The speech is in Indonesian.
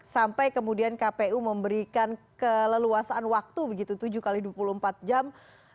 sampai kemudian kpu memberikan keleluasan waktu begitu tujuh x dua puluh empat jam